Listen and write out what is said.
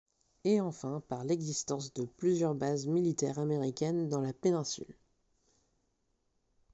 Et, enfin, par l'existence de plusieurs bases militaires américaines dans la péninsule.